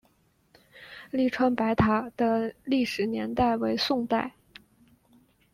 栗川白塔的历史年代为宋代。